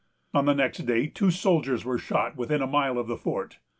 On the next day, two soldiers were shot within a mile of the fort.